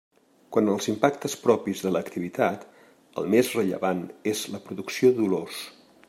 Quant als impactes propis de l'activitat, el més rellevant és la producció d'olors.